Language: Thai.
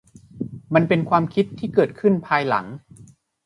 มันเป็นความคิดที่เกิดขึ้นภายหลัง